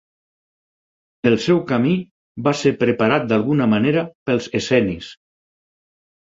El seu camí va ser preparat d'alguna manera pels essenis.